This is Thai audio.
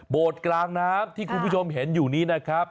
กลางน้ำที่คุณผู้ชมเห็นอยู่นี้นะครับ